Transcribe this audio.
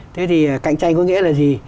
thế thì cạnh tranh có nghĩa là gì